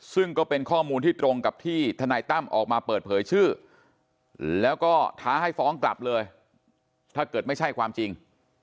ซึ่งก็เป็นข้อมูลที่ตรงกับที่ทนายตั้มออกมาเปิดเผยชื่อแล้วก็ท้าให้ฟ้องกลับเลยถ้าเกิดไม่ใช่ความจริง